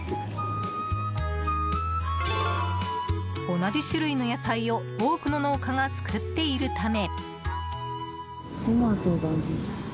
同じ種類の野菜を多くの農家が作っているため。